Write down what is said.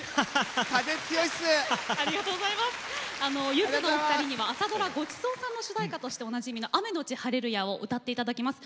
ゆずのお二人には朝ドラ「ごちそうさん」の主題歌としておなじみの「雨のち晴レルヤ」を歌っていただきます。